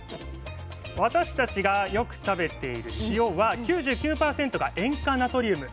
私たちがよく食べている塩は９９％が塩化ナトリウム。